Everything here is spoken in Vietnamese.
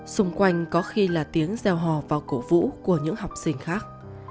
xung quanh có khi là tiếng reo hò vào cổ vũ của những học sinh khác